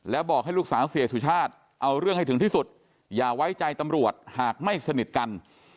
แล้วบอกให้ลูกสาวเสียสุชาติเอาเรื่องให้ถึงที่สุดอย่าไว้ใจตำรวจหากไม่สนิทกัน